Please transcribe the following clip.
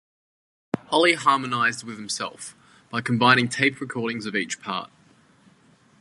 Holly harmonized with himself, by combining tape recordings of each part.